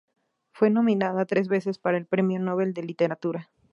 Fue nominada tres veces para el Premio Nobel de Literatura.